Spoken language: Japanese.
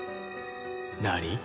何？